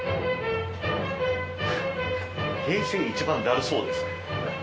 平成一番だるそうですね